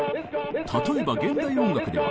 例えば現代音楽では。